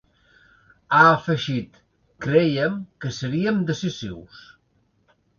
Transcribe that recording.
Ha afegit: Crèiem que seríem decisius.